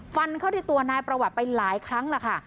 ฟันเข้าที่ตัวนายประวัติไปหลายครั้งล่ะค่ะ